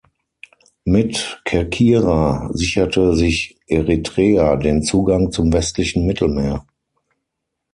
Mit Kerkyra sicherte sich Eretria den Zugang zum westlichen Mittelmeer.